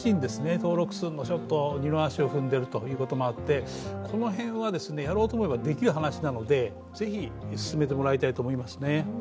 登録するのを二の足踏んでるというのがあってこの辺はやろうと思えばできるのでぜひ進めてもらいたいと思います。